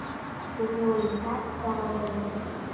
Ur awen-ttɛassaɣ arraw-nwen.